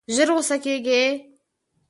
ژر غوسه کېږي.